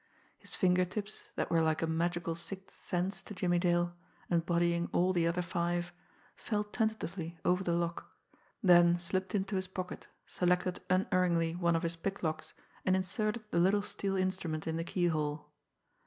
His finger tips, that were like a magical sixth sense to Jimmie Dale, embodying all the other five, felt tentatively over the lock, then slipped into his pocket, selected unerringly one of his picklocks, and inserted the little steel instrument in the keyhole.